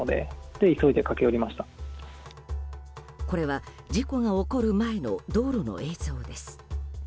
これは事故が起こる前の道路の映像です。